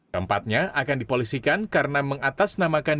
tempatnya akan dipolisikan karena mengatasnamakan